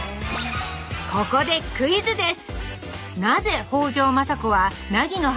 ここでクイズです！